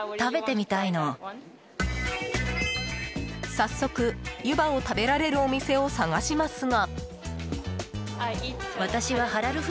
早速、湯葉を食べられるお店を探しますが。